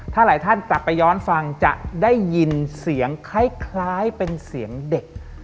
ถ้าหลายท่านกลับไปย้อนฟังจะได้ยินเสียงคล้ายเป็นเสียงเด็ก